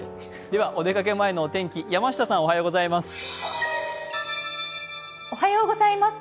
では、お出かけ前のお天気、山下さん、おはようございます。